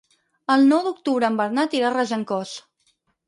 El nou d'octubre en Bernat irà a Regencós.